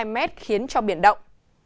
hai m khiến cho biển động